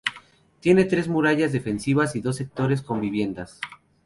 Tiene tres murallas defensivas y dos sectores con viviendas.